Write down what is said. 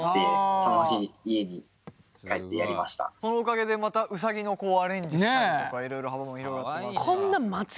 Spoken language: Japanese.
そのおかげでまたうさぎのアレンジしたりとかいろいろ幅も広がってますが。